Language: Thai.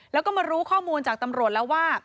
แล้วก็มารู้ข้อมูลจากตำรวจแล้วว่า